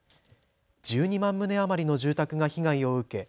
１２万棟余りの住宅が被害を受け